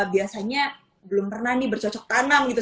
biasanya belum pernah nih bercocok tanam gitu